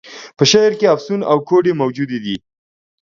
په شعر کي افسون او کوډې موجودي دي.